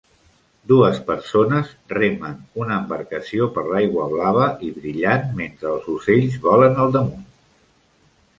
Dues persones remen una embarcació per l'aigua blava i brillant mentre els ocells volen al damunt.